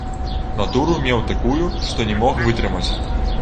Натуру меў такую, што не мог вытрымаць.